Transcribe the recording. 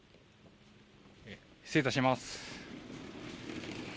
失礼いたします。